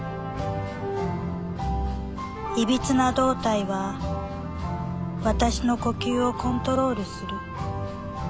いびつな胴体は私の呼吸をコントロールする。